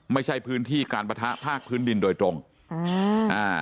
ไม่ใช่พื้นที่การปะทะภาคพื้นดินโดยตรงอ่าอ่า